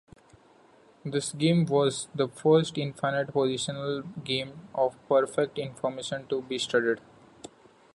This game was the first infinite positional game of perfect information to be studied.